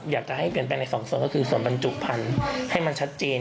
อยากจะให้เปลี่ยนแปลงในสองส่วนก็คือส่วนบรรจุพันธุ์ให้มันชัดเจน